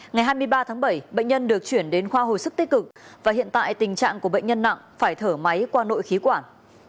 ngày hai mươi ba tháng bảy bệnh nhân được chuyển đến khoa hồi sức tích cực và hiện tại tình trạng của bệnh nhân nặng phải thở máy qua nội khí quản